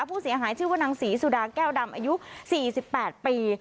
ผู้เสียหายชื่อว่านางศรีสุดาแก้วดำอายุ๔๘ปี